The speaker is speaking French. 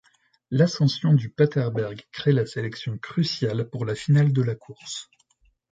L'ascension du Paterberg crée la sélection cruciale pour la finale de la course.